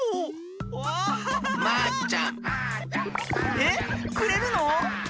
ええ？くれるの？